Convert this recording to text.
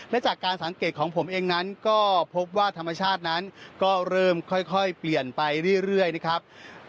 และจากการสังเกตของผมเองนั้นก็พบว่าธรรมชาตินั้นก็เริ่มค่อยเปลี่ยนไปเรื่อยนะครับ